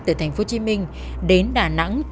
từ tp hcm đến đà nẵng